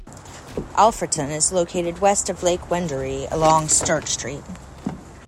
Alfredton is located west of Lake Wendouree along Sturt Street.